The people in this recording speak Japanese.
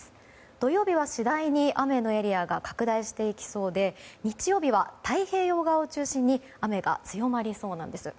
土曜日は次第に雨のエリアが拡大していきそうで日曜日は太平洋側を中心に雨が強まりそうなんです。